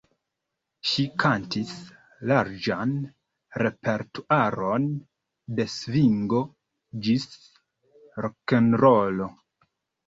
Ŝi kantis larĝan repertuaron de svingo ĝis rokenrolo.